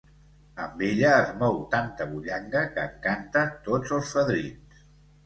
Amb ella es mou tanta bullanga que encanta tots els fadrins.